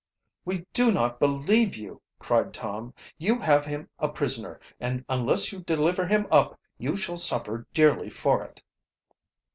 "We do not believe you!" cried Tom. "You have him a prisoner, and unless you deliver him up you shall suffer dearly for it."